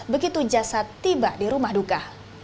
begitu jasad tiba di rumah duka